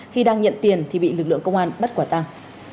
khi đang nhận tiền thì bị lực lượng công an bắt quả tàng